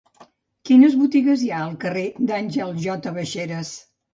Quines botigues hi ha al carrer d'Àngel J. Baixeras?